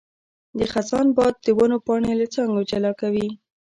د خزان باد د ونو پاڼې له څانګو جلا کوي.